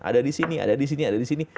ada di sini ada di sini ada di sini